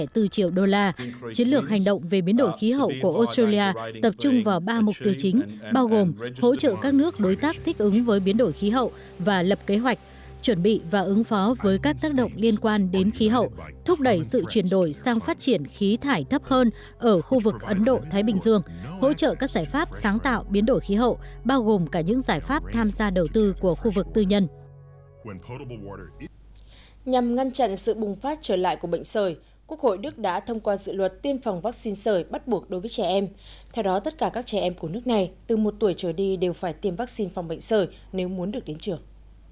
theo đó tất cả các trẻ em của nước này từ một tuổi trở đi đều phải tiêm vaccine phòng bệnh sợi nếu muốn được đến trường